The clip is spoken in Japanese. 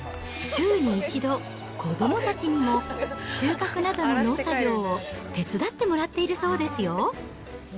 週に１度、子どもたちにも収穫などの農作業を手伝ってもらっているそうですよ。